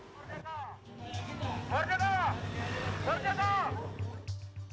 berjata berjata berjata